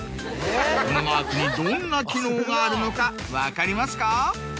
このマークにどんな機能があるのか分かりますか？